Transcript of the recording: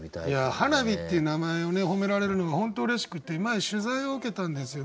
「はなび」っていう名前を褒められるのが本当うれしくて前取材を受けたんですよ。